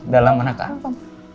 dalam anak apa